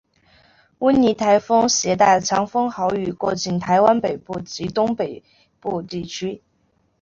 温妮台风挟带强风豪雨过境台湾北部及东北部地区。